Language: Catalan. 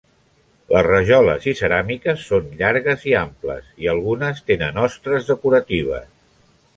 Les rajoles i ceràmiques són llargues i amples i algunes tenen ostres decoratives.